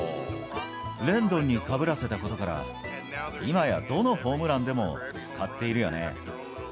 レンドンにかぶらせたことから、今やどのホームランでも使っているよね。